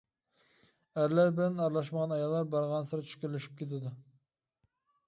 ئەرلەر بىلەن ئارىلاشمىغان ئاياللار بارغانسېرى چۈشكۈنلىشىپ كېتىدۇ.